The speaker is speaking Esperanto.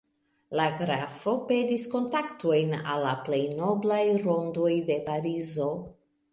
La grafo peris kontaktojn al la plej noblaj rondoj de Parizo.